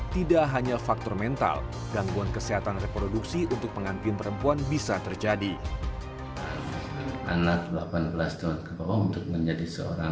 tidak hanya faktor mental gangguan kesehatan reproduksi untuk pengantin perempuan bisa terjadi